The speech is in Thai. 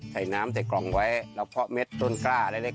ใส่น้ำใกล่องไว้แล้วเพาะเม็ดต้นกร้าเรียบ